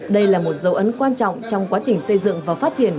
đây là một dấu ấn quan trọng trong quá trình xây dựng và phát triển